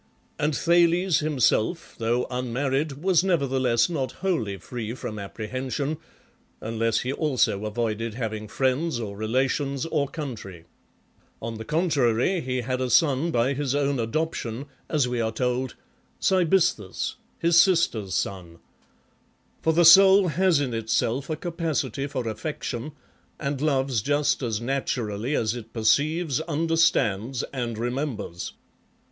And Thales himself, though unmarried, was never theless not wholly free from apprehension, unless he also avoided having friends, or relations, or country. On the contrary, he had a son by his own adoption, as we are told, Cybisthus, his sister's son. For the soul has in itself a capacity for affection, and loves just as naturally as it perceives, understands, and remembers.